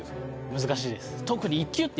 難しいです